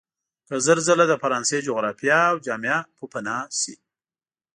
که زر ځله د فرانسې جغرافیه او جامعه پوپناه شي.